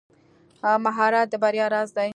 مهارت د بریا راز دی.